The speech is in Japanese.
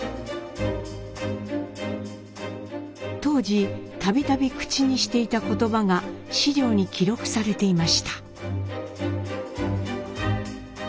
当時度々口にしていた言葉が史料に記録されていました。